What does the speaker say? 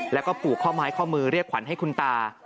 แล้วก็ผูกข้อไม้ข้อมือเรียกขวัญให้คุณตา